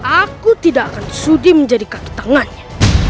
aku tidak akan sudi menjadi kaki tangannya